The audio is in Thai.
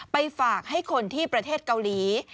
ไปฝากให้คนที่ประเทศเกาหลี